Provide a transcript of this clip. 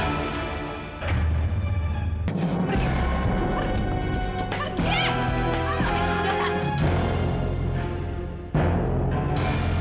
emisya sekali lagi kamu sentuh amira